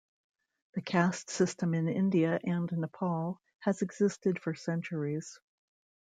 The caste system in India and Nepal has existed for centuries.